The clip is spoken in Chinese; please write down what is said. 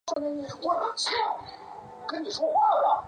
痢止蒿为唇形科筋骨草属下的一个种。